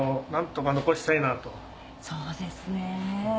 そうですねぇ。